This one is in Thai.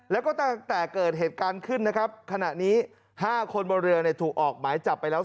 แล้วก็ตั้งแต่เกิดเหตุการณ์ขึ้นนะครับ